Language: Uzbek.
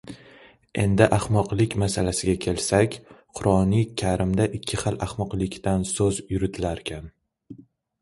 Endi ahmoqlik masalasiga kelsak, qur’oni Karimda ikki hil ahmoqlikdan so‘z yuritilarkan.